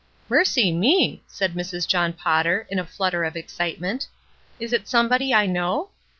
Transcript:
"Mercy me!" said Mrs. John Potter, in a flutter of excitement. "Is it somebody I know?"